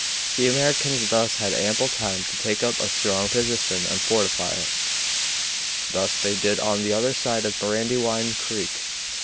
The Americans thus had ample time to take up a strong position and fortify it. This they did on the other side of Brandywine Creek.